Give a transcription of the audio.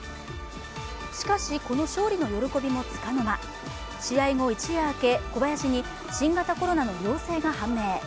しかし、この勝利の喜びもつかの間試合後、一夜明け小林に新型コロナの陽性が判明。